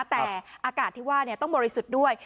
แต่อากาศที่ว่าต้องบริสุทธิ์ด้วย